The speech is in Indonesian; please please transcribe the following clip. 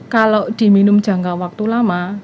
kalau diminum jangka waktu lama